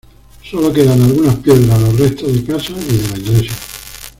Solo quedan algunas piedras, los restos de casas y de la iglesia.